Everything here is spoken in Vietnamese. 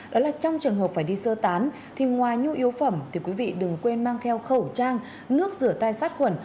đó là trong trường hợp phải đi sơ tán thì ngoài nhu yếu phẩm thì quý vị đừng quên mang theo khẩu trang nước rửa tay sát khuẩn